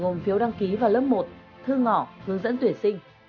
gồm phiếu đăng ký vào lớp một thư ngỏ hướng dẫn tuyển sinh